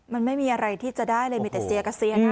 มันไม่มีอะไรที่จะได้เลยมีแต่เซียเกษียณ